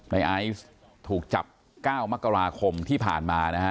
ไอซ์ถูกจับ๙มกราคมที่ผ่านมานะฮะ